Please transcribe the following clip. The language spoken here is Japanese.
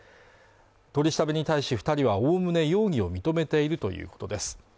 取り調べに対し二人はおおむね容疑を認めているということです